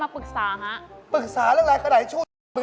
ปรึกษาเรื่องอะไรก็ได้ช่วงเบี้ยกเหรอ